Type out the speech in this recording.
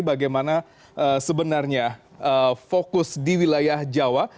bagaimana sebenarnya fokus di wilayah jawa